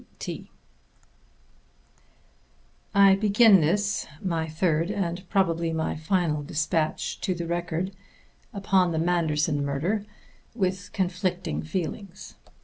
P. T. I begin this, my third and probably my final despatch to the Record upon the Manderson murder, with conflicting feelings.